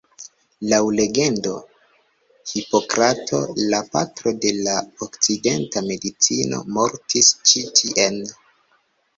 Laŭ legendo Hipokrato, la patro de la okcidenta medicino, mortis ĉi tien.